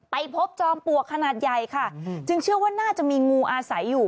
ไปพบจอมปลวกขนาดใหญ่ค่ะจึงเชื่อว่าน่าจะมีงูอาศัยอยู่